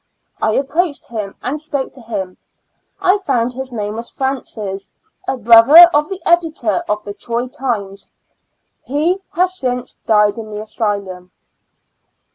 I approached him and spoke to him ; I found his name was Francis ; a brother of the editor of the Troy Times ; he has since died in the asylum.